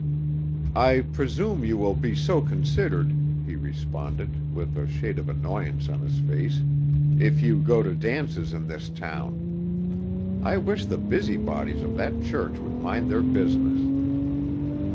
"I presume you will be so considered," he responded, with a shade of annoyance on his face, "if you go to dances in this town. I wish the busybodies of that church would mind their business."